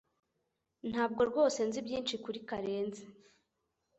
Ntabwo rwose nzi byinshi kuri Karenzi